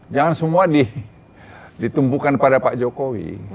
jangan semua ditumpukan pada pak jokowi